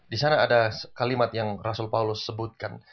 di sana ada kalimat yang rasul paulus sebutkan